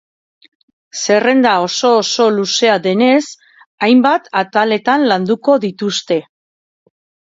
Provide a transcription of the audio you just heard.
Zerrenda oso oso luzea denez, hainbat ataletan landuko dituzte.